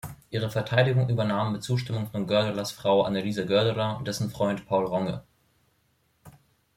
Ihre Verteidigung übernahm, mit Zustimmung von Goerdelers Frau Anneliese Goerdeler, dessen Freund Paul Ronge.